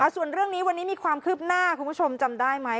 ส่วนเรื่องนี้วันนี้มีความคืบหน้าคุณผู้ชมจำได้ไหม